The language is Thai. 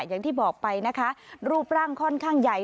อย่างที่บอกไปนะคะรูปร่างค่อนข้างใหญ่